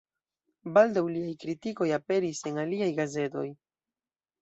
Baldaŭ liaj kritikoj aperis en aliaj gazetoj.